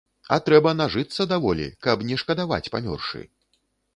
А трэба нажыцца даволі, каб не шкадаваць памёршы.